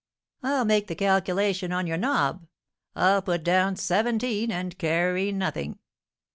"I'll make the calculation on your nob! I'll put down seventeen and carry nothing!"